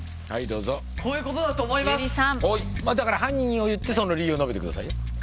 どうぞこういうことだと思います樹さんまあだから犯人を言ってその理由を述べてくださいよ